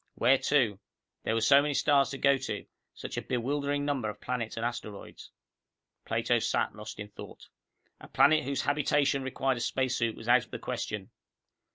Where to? There were so many stars to go to, such a bewildering number of planets and asteroids. Plato sat lost in thought. A planet whose habitation required a spacesuit was out of the question.